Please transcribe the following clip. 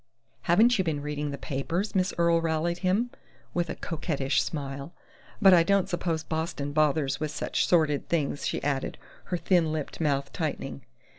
"Haven't you been reading the papers?" Miss Earle rallied him, with a coquettish smile. "But I don't suppose Boston bothers with such sordid things," she added, her thin lipped mouth tightening.